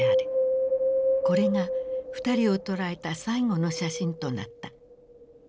これが二人をとらえた最後の写真となった。